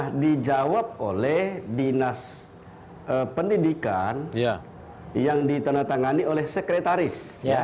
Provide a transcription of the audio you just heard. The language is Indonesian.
nah dijawab oleh dinas pendidikan yang ditandatangani oleh sekretaris